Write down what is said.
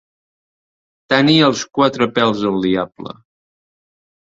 Tenir els quatre pèls del diable.